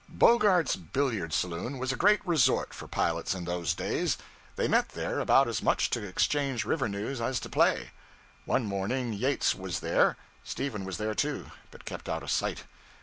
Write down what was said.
Bogart's billiard saloon was a great resort for pilots in those days. They met there about as much to exchange river news as to play. One morning Yates was there; Stephen was there, too, but kept out of sight.